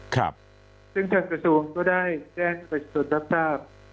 ครับซึ่งทางประสูงศ์ก็ได้แจ้งความชนทัพ